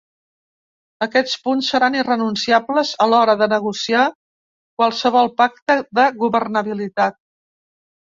Aquests punts seran irrenunciables a l’hora de negociar qualsevol pacte de governabilitat.